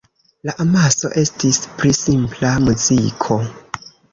La amaso estis pri simpla muziko.